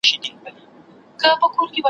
در نیژدې می که په مینه بې سببه بې پوښتنی `